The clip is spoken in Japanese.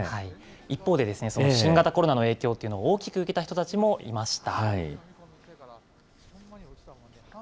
一方で、新型コロナの影響というのを大きく受けた人たちもいました。